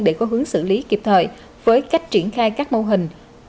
để có hướng xử lý kịp thời với cách triển khai các mô hình